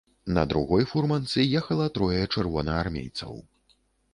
На другой фурманцы ехала трое чырвонаармейцаў.